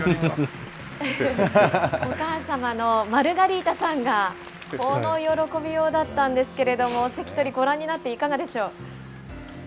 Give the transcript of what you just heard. お母様のマルガリータさんがこの喜びようだったんですけれども関取ご覧になっていかがでしょう。